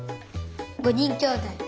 ５にんきょうだい。